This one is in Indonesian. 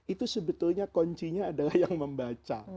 itu sebetulnya kuncinya adalah yang membaca